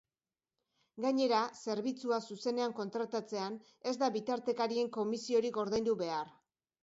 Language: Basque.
Gainera, zerbitzua zuzenean kontratatzean, ez da bitartekarien komisiorik ordaindu behar.